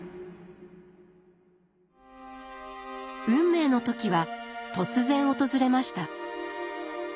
運命の時は突然訪れました。